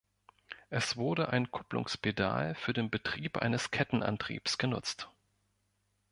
Es wurde ein Kupplungspedal für den Betrieb eines Kettenantriebs genutzt.